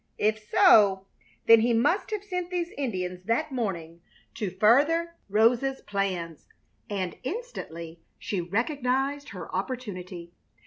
If so then he must have sent these Indians that morning to further Rosa's plans, and instantly she recognized her opportunity.